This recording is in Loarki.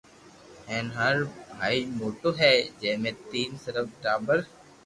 ھين ھر ڀاتي موٽو ھي جي ۾ تين صرف ٽاٻر